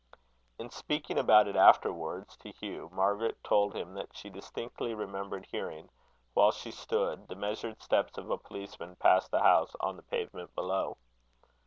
In speaking about it afterwards to Hugh, Margaret told him that she distinctly remembered hearing, while she stood, the measured steps of a policeman pass the house on the pavement below.